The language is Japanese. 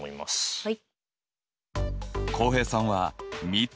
はい。